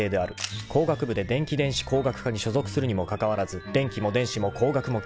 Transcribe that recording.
［工学部で電気電子工学科に所属するにもかかわらず電気も電子も工学も嫌いである］